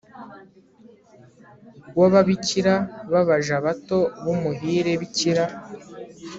w ababikira b abaja bato b umuhire bikira